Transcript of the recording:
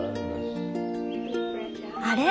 あれ？